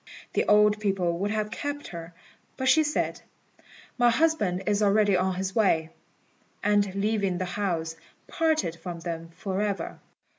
The old people would have kept her, but she said, "My husband is already on his way," and, leaving the house, parted from them for ever.